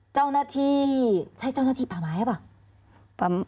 เจ้าหน้าที่ใช่เจ้าหน้าที่ป่าไม้หรือเปล่า